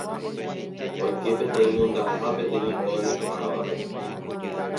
Oike peteĩ mondaha peteĩ óga neporãvape